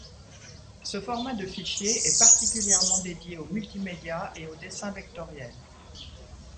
Ce format de fichier est particulièrement dédié au multimédia et au dessin vectoriel.